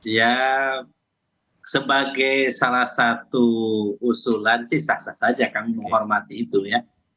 ya sebagai salah satu usulan sih sah sah saja kami menghormati itu ya